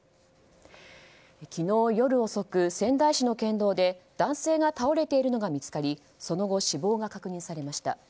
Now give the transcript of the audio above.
昨日夜遅く、仙台市の県道で男性が倒れているのが見つかりその後、死亡が確認されました。